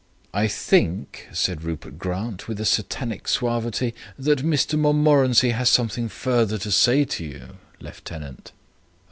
"I think," said Rupert Grant, with a satanic suavity, "that Mr Montmorency has something further to say to you, lieutenant."